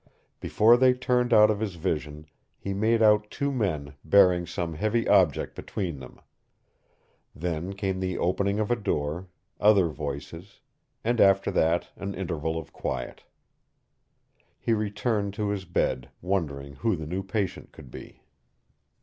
Before they turned out of his vision, he made out two men bearing some heavy object between them. Then came the opening of a door, other voices, and after that an interval of quiet. He returned to his bed, wondering who the new patient could be.